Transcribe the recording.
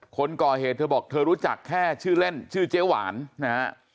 คนก่อเหตุเธอบอกเธอรู้จักแค่ชื่อเล่นชื่อเจ๊หวานนะฮะ